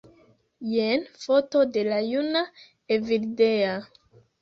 Jen foto de la juna Evildea